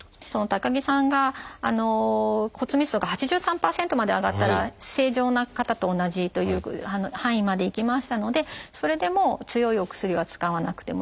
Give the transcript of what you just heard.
高木さんが骨密度が８３％まで上がったら正常な方と同じという範囲までいきましたのでそれでもう強いお薬は使わなくてもいいという